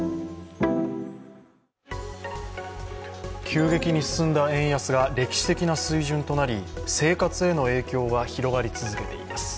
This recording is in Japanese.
急激に進んだ円安が歴史的な水準となり、生活への影響が広がり続けています。